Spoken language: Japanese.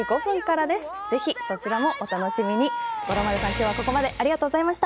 今日はここまでありがとうございました。